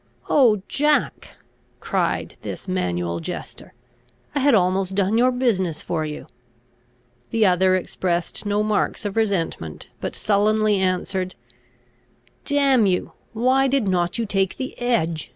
"Oh, Jack!" cried this manual jester, "I had almost done your business for you!" The other expressed no marks of resentment, but sullenly answered, "Damn you, why did not you take the edge?